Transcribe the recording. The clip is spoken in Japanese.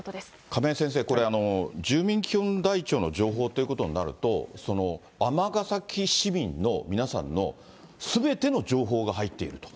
亀井先生、これ、住民基本台帳の情報ということになると、尼崎市民の皆さんのすべての情報が入っていると。